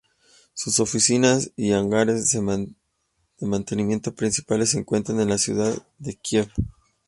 Sus oficinas, y hangares de mantenimiento principales se encuentran en la ciudad de Kyiv.